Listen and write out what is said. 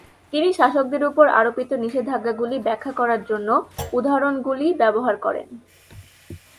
তিনি শাসকদের উপর আরোপিত নিষেধাজ্ঞাগুলি ব্যাখ্যা করার জন্য উদাহরণগুলি ব্যবহার করেন।